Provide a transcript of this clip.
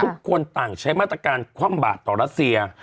ทุกคนต่างใช้มาตรการคว่ำบาดต่อรัสเซีย